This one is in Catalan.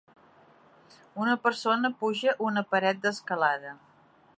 Una persona puja una paret d'escalada.